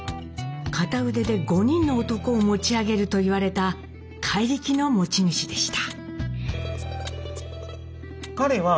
「片腕で５人の男を持ち上げる」といわれた怪力の持ち主でした。